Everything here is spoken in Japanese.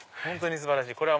本当に素晴らしい！